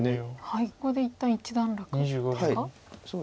ここで一旦一段落ですか？